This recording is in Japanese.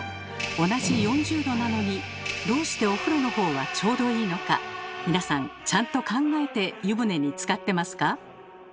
同じ４０℃なのにどうしてお風呂のほうはちょうどいいのか皆さんちゃんと考えて湯船につかってますか？